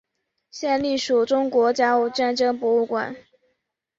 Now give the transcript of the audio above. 现隶属中国甲午战争博物馆。